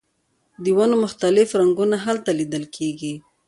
د ونو مختلف رنګونه هلته لیدل کیږي